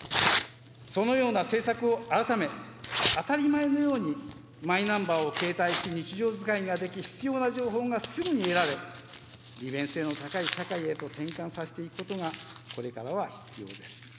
そのような政策を改め、当たり前のようにマイナンバーを携帯し、日常使いができ、必要な情報がすぐに得られ、利便性の高い社会へと転換させていくことがこれからは必要です。